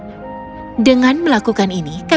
kalian tidak akan terlalu banyak kejahatan untuk dirinya